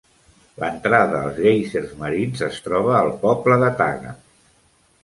L'entrada als guèisers marins es troba al poble de Taga.